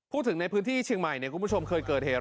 พูดถึงในพื้นที่เชียงใหม่คุณผู้ชมเคยเกิดเหตุ